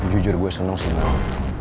jujur gue seneng sih nel